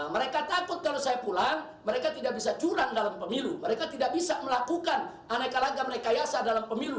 mereka takut kalau saya pulang mereka tidak bisa curang dalam pemilu mereka tidak bisa melakukan aneka lagam rekayasa dalam pemilu